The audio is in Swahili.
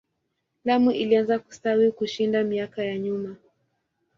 Lamu ilianza kustawi kushinda miaka ya nyuma.